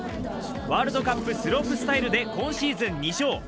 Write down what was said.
ワールドカップ・スロープスタイルで今シーズン２勝。